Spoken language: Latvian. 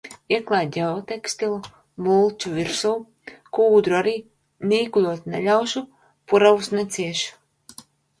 Ieklāj ģeotekstilu, mulču virsū, kūdru arī, nīkuļot neļaušu. Puravus neciešu.